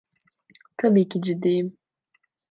Tabii ki ciddiyim.